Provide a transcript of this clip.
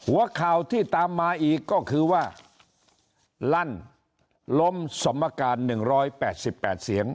หัวข่าวที่ตามมาอีกก็คือว่าลั่นลมสมการหนึ่งร้อยแปดสิบแปดเสียง